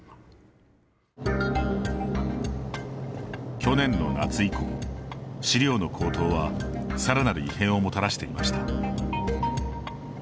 去年の夏以降、飼料の高騰はさらなる異変をもたらしていました。